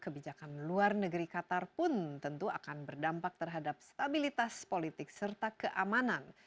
kebijakan luar negeri qatar pun tentu akan berdampak terhadap stabilitas politik serta keamanan